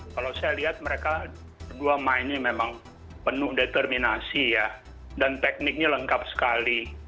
kalau saya lihat mereka berdua mainnya memang penuh determinasi ya dan tekniknya lengkap sekali